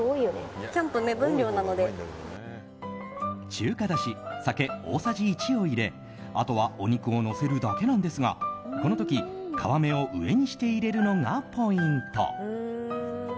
中華だし、酒大さじ１を入れあとはお肉をのせるだけなんですがこの時、皮目を上にして入れるのがポイント。